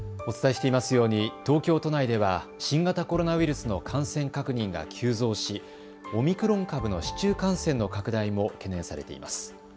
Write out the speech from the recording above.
お伝えしていますように東京都内では新型コロナウイルスの感染確認が急増し、オミクロン株の市中感染の拡大も懸念されています。